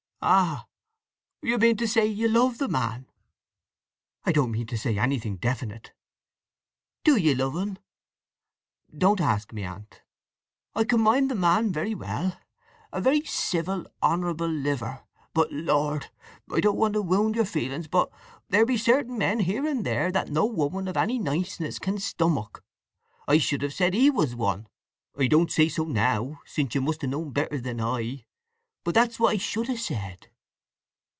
"Ah! You mean to say you loved the man!" "I don't meant to say anything definite." "Do ye love un?" "Don't ask me, Aunt." "I can mind the man very well. A very civil, honourable liver; but Lord!—I don't want to wownd your feelings, but—there be certain men here and there that no woman of any niceness can stomach. I should have said he was one. I don't say so now, since you must ha' known better than I—but that's what I should have said!"